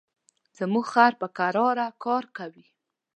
زموږ خر په کراره کار کوي.